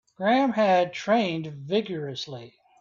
Graham had trained rigourously.